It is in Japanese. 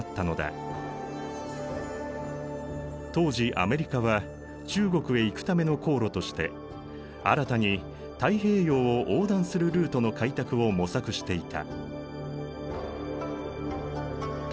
当時アメリカは中国へ行くための航路として新たに太平洋を横断するルートの開拓を模索していた。